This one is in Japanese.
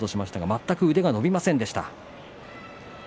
全く腕が伸びませんでした。